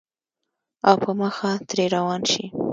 او پۀ مخه ترې روان شې